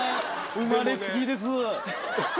生まれつきです。